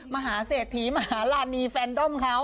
มหาเศรษฐีมหาลานีแฟนด้อมเขา